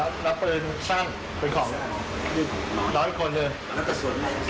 ซื้อมาเพราะหนึ่งคนอื่นเขาไม่ย